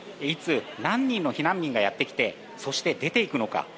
いつ、何人の避難民がやってきて、そして出て行くのか。